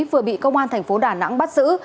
vừa bị công an thành phố đà nẵng bắt giữ